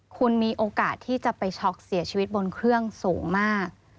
คุณมีโอกาสที่จะไปช็อกเสียชีวิตบนเครื่องสูงมาก